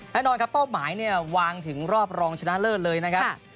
แน่นอนครับเป้าหมายเนี่ยวางถึงรอบรองชนะเลิศเลยนะครับ